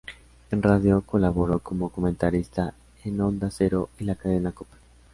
En radio, colaboró como comentarista en Onda Cero y la Cadena Cope.